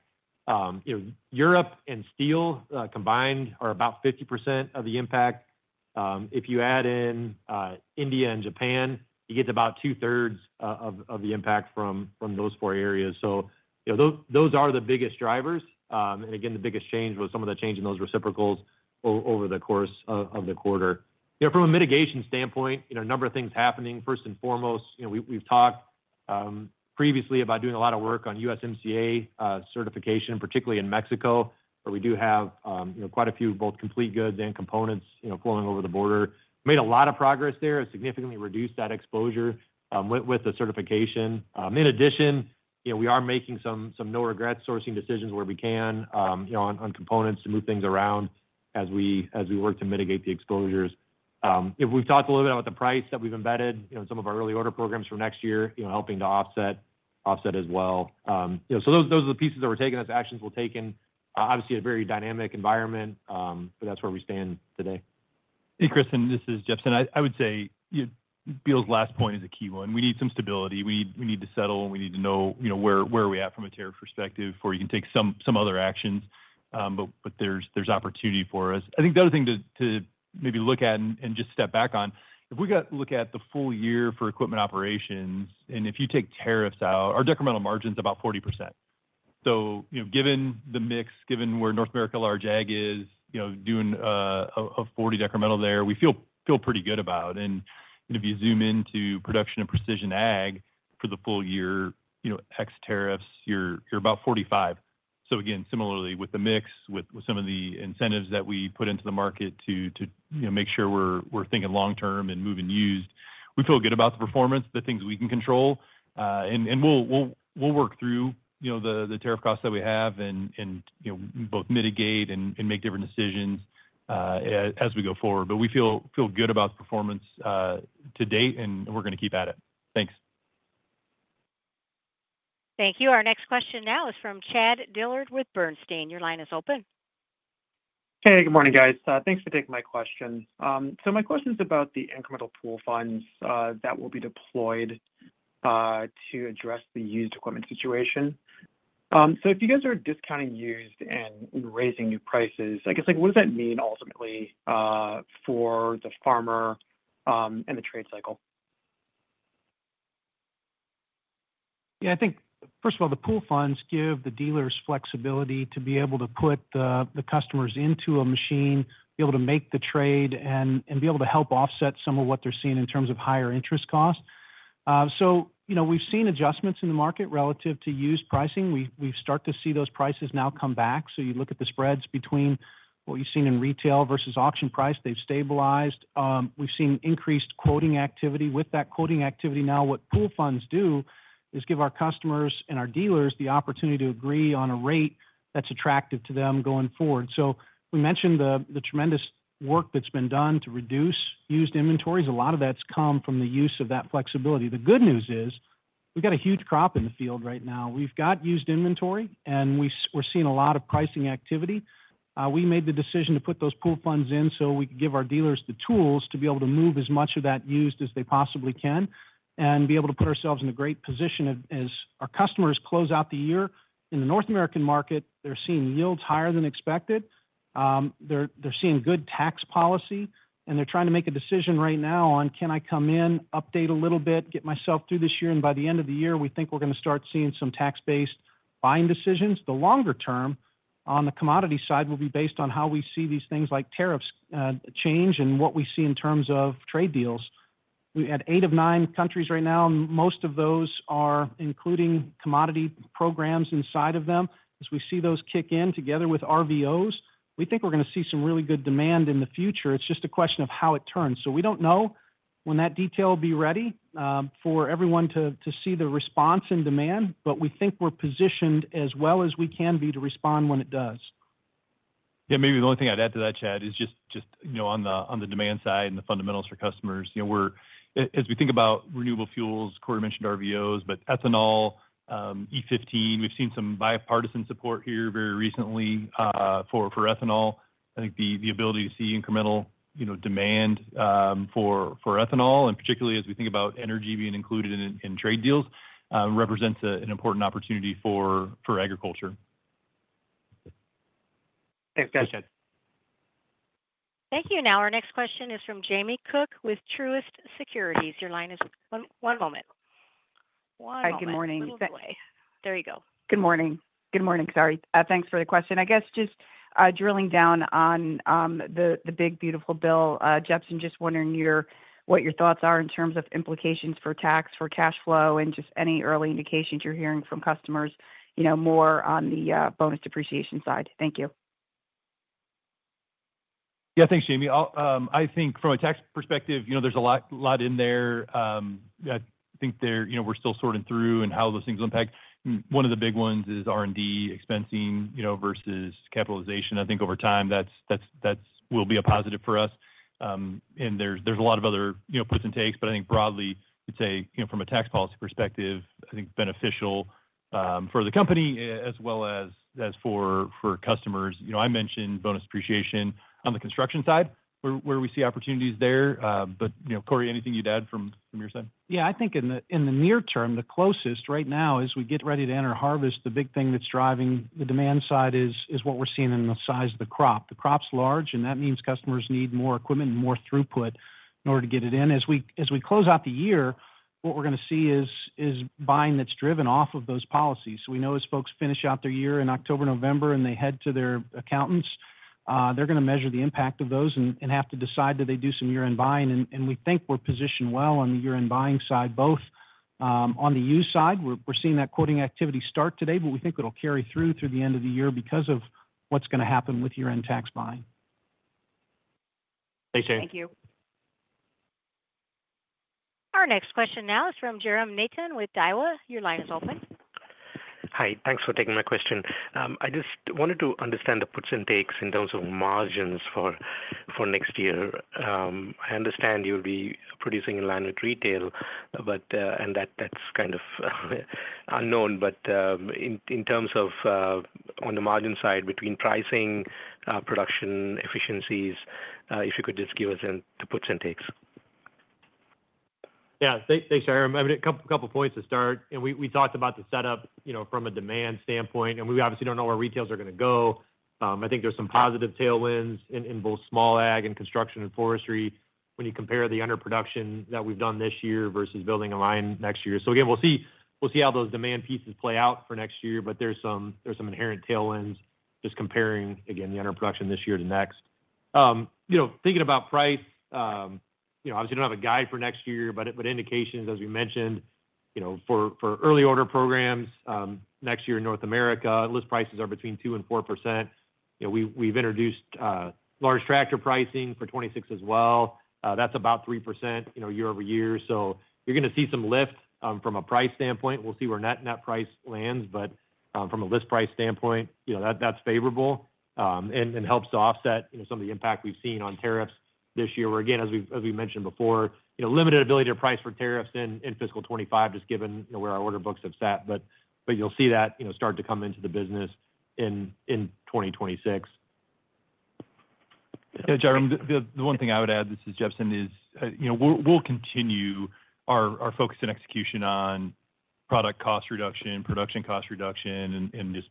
Europe and steel combined are about 50% of the impact. If you add in India and Japan, you get about two-thirds of the impact from those four areas. Those are the biggest drivers, and again, the biggest change was some of the change in those reciprocals over the course of the quarter. From a mitigation standpoint, a number of things happening. First and foremost, we've talked previously about doing a lot of work on USMCA certification, particularly in Mexico, where we do have quite a few both complete goods and components flowing over the border. Made a lot of progress there, significantly reduced that exposure with the certification. In addition, we are making some no-regret sourcing decisions where we can on components to move things around as we work to mitigate the exposures. We've talked a little bit about the price that we've embedded in some of our early order programs for next year, helping to offset as well. Those are the pieces that were taken, those actions were taken. Obviously, a very dynamic environment, but that's where we stand today. Hey, Kristen, this is Jepsen. I would say Beal's last point is a key one. We need some stability. We need to settle, and we need to know where we're at from a tariff perspective before you can take some other actions, but there's opportunity for us. I think the other thing to maybe look at and just step back on, if we look at the full year for equipment operations, and if you take tariffs out, our decremental margin's about 40%. Given the mix, given where North America large ag is, doing a 40% decremental there, we feel pretty good about it. If you zoom into production and precision ag for the full year, ex-tariffs, you're about 45%. Similarly, with the mix, with some of the incentives that we put into the market to make sure we're thinking long-term and moving used, we feel good about the performance, the things we can control. We'll work through the tariff costs that we have and both mitigate and make different decisions as we go forward. We feel good about the performance to date, and we're going to keep at it. Thanks. Thank you. Our next question now is from Chad Dillard with Bernstein. Your line is open. Hey, good morning, guys. Thanks for taking my question. My question is about the incremental pool funds that will be deployed to address the used equipment situation. If you guys are discounting used and raising new prices, what does that mean ultimately for the farmer and the trade cycle? Yeah, I think, first of all, the pool funds give the dealers flexibility to be able to put the customers into a machine, be able to make the trade, and be able to help offset some of what they're seeing in terms of higher interest costs. We've seen adjustments in the market relative to used pricing. We've started to see those prices now come back. You look at the spreads between what you've seen in retail versus auction price, they've stabilized. We've seen increased quoting activity. With that quoting activity now, what pool funds do is give our customers and our dealers the opportunity to agree on a rate that's attractive to them going forward. We mentioned the tremendous work that's been done to reduce used inventories. A lot of that's come from the use of that flexibility. The good news is we've got a huge crop in the field right now. We've got used inventory, and we're seeing a lot of pricing activity. We made the decision to put those pool funds in so we could give our dealers the tools to be able to move as much of that used as they possibly can and be able to put ourselves in a great position as our customers close out the year. In the North American market, they're seeing yields higher than expected. They're seeing good tax policy, and they're trying to make a decision right now on, can I come in, update a little bit, get myself through this year, and by the end of the year, we think we're going to start seeing some tax-based buying decisions. The longer term on the commodity side will be based on how we see these things like tariffs change and what we see in terms of trade deals. We've got eight of nine countries right now, and most of those are including commodity programs inside of them. As we see those kick in together with RVOs, we think we're going to see some really good demand in the future. It's just a question of how it turns. We don't know when that detail will be ready for everyone to see the response in demand, but we think we're positioned as well as we can be to respond when it does. Yeah, maybe the only thing I'd add to that, Chad, is just on the demand side and the fundamentals for customers. As we think about renewable fuels, Cory mentioned RVOs, but ethanol, E15, we've seen some bipartisan support here very recently for ethanol. I think the ability to see incremental demand for ethanol, and particularly as we think about energy being included in trade deals, represents an important opportunity for agriculture. Thanks, Chad. Thank you. Now our next question is from Jamie Cook with Truist Securities. Your line is one moment. Hi, good morning. There you go. Good morning. Sorry. Thanks for the question. I guess just drilling down on the big, beautiful bill, Jefferson, just wondering what your thoughts are in terms of implications for tax, for cash flow, and just any early indications you're hearing from customers, you know, more on the bonus depreciation side. Thank you. Yeah, thanks, Jamie. I think from a tax perspective, there's a lot in there. I think we're still sorting through and how those things will impact. One of the big ones is R&D expensing versus capitalization. I think over time, that will be a positive for us. There's a lot of other puts and takes, but I think broadly, you'd say from a tax policy perspective, beneficial for the company as well as for customers. I mentioned bonus depreciation on the construction side where we see opportunities there. Cory, anything you'd add from your side? Yeah, I think in the near term, the closest right now is we get ready to enter harvest. The big thing that's driving the demand side is what we're seeing in the size of the crop. The crop's large, and that means customers need more equipment and more throughput in order to get it in. As we close out the year, what we're going to see is buying that's driven off of those policies. We know as folks finish out their year in October, November, and they head to their accountants, they're going to measure the impact of those and have to decide that they do some year-end buying. We think we're positioned well on the year-end buying side, both on the use side. We're seeing that quoting activity start today, but we think it'll carry through the end of the year because of what's going to happen with year-end tax buying. Thank you. Thank you. Our next question now is from Jairam Nathan with Daiwa. Your line is open. Hi, thanks for taking my question. I just wanted to understand the puts and takes in terms of margins for next year. I understand you'll be producing in line with retail, and that's kind of unknown. In terms of on the margin side between pricing, production efficiencies, if you could just give us the puts and takes. Yeah, thanks, Jairam. I mean, a couple of points to start. We talked about the setup from a demand standpoint, and we obviously don't know where retails are going to go. I think there's some positive tailwinds in both small ag and construction and forestry when you compare the underproduction that we've done this year versus building a line next year. We'll see how those demand pieces play out for next year, but there's some inherent tailwinds just comparing, again, the underproduction this year to next. Thinking about price, obviously we don't have a guide for next year, but indications, as we mentioned, for early order programs next year in North America, list prices are between 2% and 4%. We've introduced large tractor pricing for 2026 as well. That's about 3% year-over-year. You're going to see some lift from a price standpoint. We'll see where net net price lands, but from a list price standpoint, that's favorable and helps to offset some of the impact we've seen on tariffs this year, where, again, as we mentioned before, limited ability to price for tariffs in fiscal 2025, just given where our order books have sat. You'll see that start to come into the business in 2026. Yeah, Jairam, the one thing I would add, this is Jepsen, is we'll continue our focus and execution on product cost reduction, production cost reduction, and just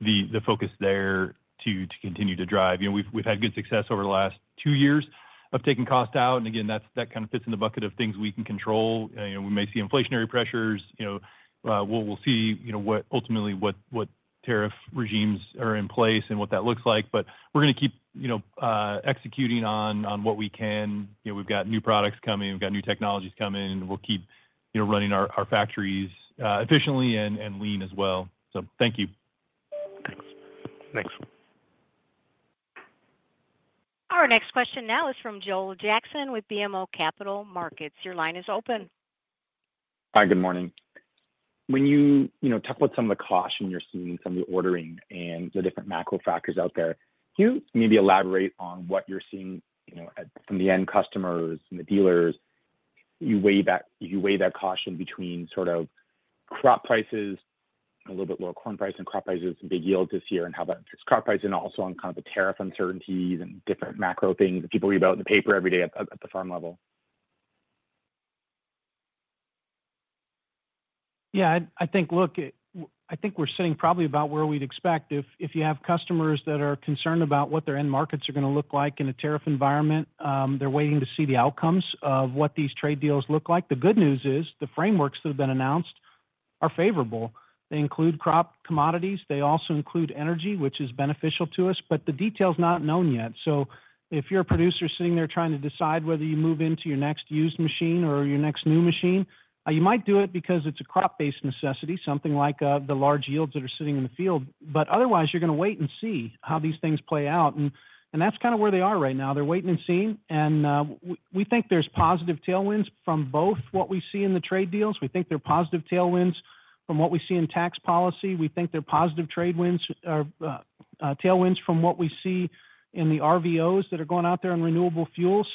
the focus there to continue to drive. We've had good success over the last two years of taking cost out, and again, that kind of fits in the bucket of things we can control. We may see inflationary pressures. We'll see ultimately what tariff regimes are in place and what that looks like, but we're going to keep executing on what we can. We've got new products coming, we've got new technologies coming, and we'll keep running our factories efficiently and lean as well. Thank you. Thanks. Our next question now is from Joel Jackson with BMO Capital Markets. Your line is open. Hi, good morning. When you talk about some of the caution you're seeing from the ordering and the different macro factors out there, can you maybe elaborate on what you're seeing from the end customers, from the dealers? You weigh that caution between sort of crop prices, a little bit lower corn price, and crop prices and big yield this year, and how that affects crop prices, and also on kind of the tariff uncertainties and different macro things that people read about in the paper every day at the farm level. Yeah, I think we're sitting probably about where we'd expect. If you have customers that are concerned about what their end markets are going to look like in a tariff environment, they're waiting to see the outcomes of what these trade deals look like. The good news is the frameworks that have been announced are favorable. They include crop commodities. They also include energy, which is beneficial to us, but the detail's not known yet. If you're a producer sitting there trying to decide whether you move into your next used machine or your next new machine, you might do it because it's a crop-based necessity, something like the large yields that are sitting in the field. Otherwise, you're going to wait and see how these things play out, and that's kind of where they are right now. They're waiting and seeing, and we think there's positive tailwinds from both what we see in the trade deals. We think there are positive tailwinds from what we see in tax policy. We think there are positive tailwinds from what we see in the RVOs that are going out there on renewable fuels.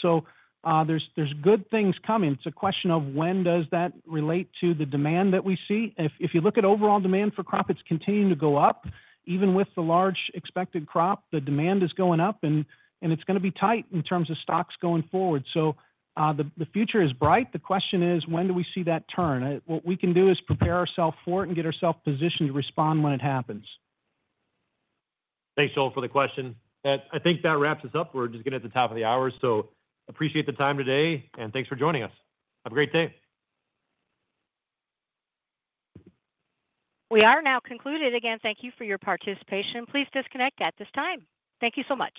There's good things coming. It's a question of when does that relate to the demand that we see. If you look at overall demand for crop, it's continuing to go up. Even with the large expected crop, the demand is going up, and it's going to be tight in terms of stocks going forward. The future is bright. The question is when do we see that turn? What we can do is prepare ourselves for it and get ourselves positioned to respond when it happens. Thanks, Joel, for the question. I think that wraps us up. We're just getting at the top of the hour, so I appreciate the time today, and thanks for joining us. Have a great day. We are now concluded. Again, thank you for your participation. Please disconnect at this time. Thank you so much.